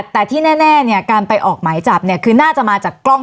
แต่ที่แน่เนี่ยการไปออกหมายจับเนี่ยคือน่าจะมาจากกล้อง